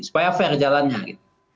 supaya fair jalannya itu